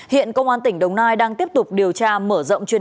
hiện công an tỉnh đồng nai đang tiếp tục điều tra mở rộng chuyên án